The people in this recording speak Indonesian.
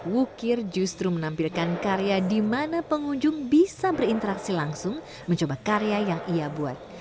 wukir justru menampilkan karya di mana pengunjung bisa berinteraksi langsung mencoba karya yang ia buat